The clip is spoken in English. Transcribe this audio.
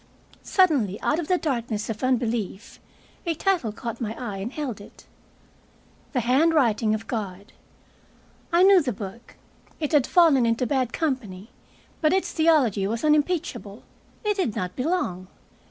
Suddenly, out of the darkness of unbelief, a title caught my eye and held it, "The Handwriting of God." I knew the book. It had fallen into bad company, but its theology was unimpeachable. It did not belong.